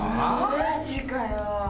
マジかよ。